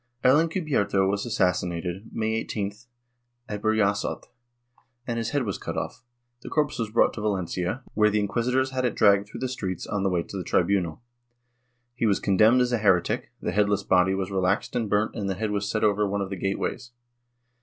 El Encubierto was assassinated. May 18th, at Burjasot, and his head was cut ofT; the corpse was brought to Valencia, where the inquisitors had it dragged through the streets on the way to the tribunal. He was condemned as a heretic, the headless body was relaxed and burnt and the head w^as set over one of the gateways.